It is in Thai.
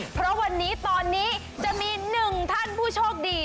เพราะวันนี้ตอนนี้จะมี๑ท่านผู้โชคดี